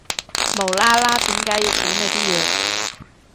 無啦啦點解要估你啲嘢